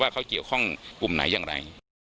เขาเกี่ยวข้องกลุ่มไหนอย่างไร